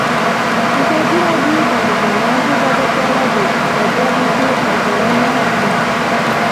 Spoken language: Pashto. ازادي راډیو د د بیان آزادي په اړه د اقتصادي اغېزو ارزونه کړې.